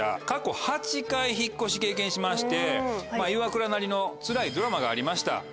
過去８回引っ越し経験しましてイワクラなりのつらいドラマがありました。